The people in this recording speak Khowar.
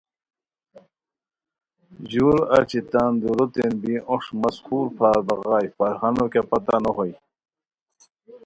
ژور اچی تان دُوروتین بی اوشٹ مس خور پھار بغائے، فرہانو کیہ پتہ نوہوئے